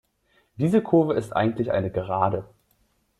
Diese Kurve ist eigentlich eine Gerade.